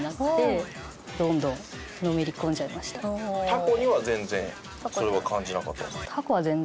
タコには全然それは感じなかったんですか？